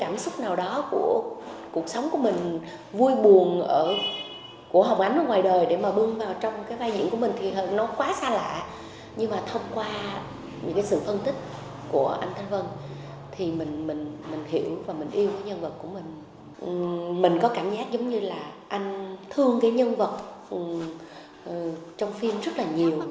mình có cảm giác giống như là anh thương cái nhân vật trong phim rất là nhiều